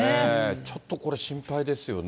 ちょっとこれ、心配ですよね。